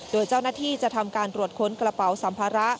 โดยเจ้าหน้าที่จะทำการตรวจค้นกระเป๋าสัมภาระ